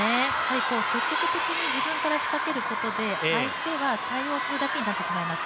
積極的に自分から仕掛けることで相手は対応するだけになってしまいます。